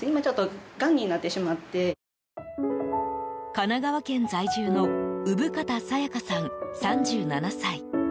神奈川県在住の産形サヤカさん、３７歳。